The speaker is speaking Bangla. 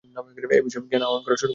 এই বিষয়ে জ্ঞান আহরণ করা শুরু করলাম।